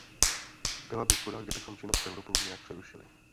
Byla by škoda, kdybychom činnost Europolu nějak přerušili.